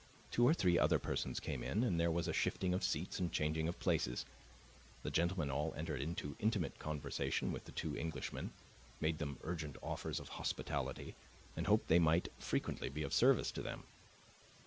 Two or three other persons came in, and there was a shifting of seats and changing of places; the gentlemen all entered into intimate conversation with the two Englishmen, made them urgent offers of hospitality, and hoped they might frequently be of service to them.